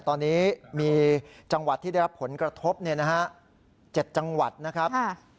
ตอนนี้มีจังหวัดที่ได้รับผลกระทบ๗จังหวัดนะครับ